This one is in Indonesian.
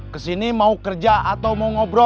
kesini mau kerja atau mau ngobrol